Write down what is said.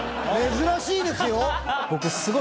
珍しいですよ。